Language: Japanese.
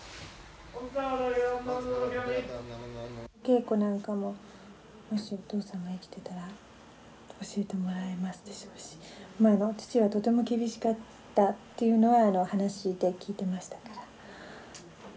稽古なんかももしお父さんが生きてたら教えてもらえますでしょうし父はとても厳しかったというのは話で聞いてましたから。